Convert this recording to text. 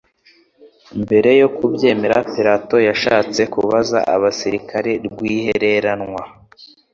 Mbere yo kubyemera, Pilato yashatse kubaza abasirikari rwihereranwa,